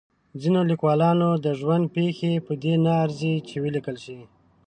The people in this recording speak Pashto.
د ځینو لیکوالانو د ژوند پېښې په دې نه ارزي چې ولیکل شي.